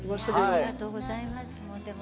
ありがとうございます。